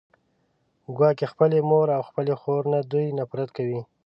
ګواکې خپلې مور او خپلې خور نه دوی نفرت کوي